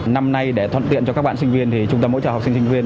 năm nay để thoát tiện cho các bạn sinh viên thì trung tâm ủng hộ cho học sinh viên